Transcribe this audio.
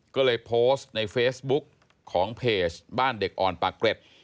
ก็เลยโพสต์ในเฟซบุ๊กของเพจบ้านเด็กอ่อนปากเกร็ด